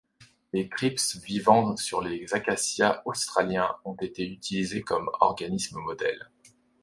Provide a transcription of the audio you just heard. Les thrips vivant sur les acacias australiens ont été utilisés comme organismes modèles.